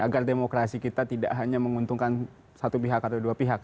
agar demokrasi kita tidak hanya menguntungkan satu pihak atau dua pihak